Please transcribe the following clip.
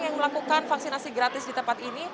yang melakukan vaksinasi gratis di tempat ini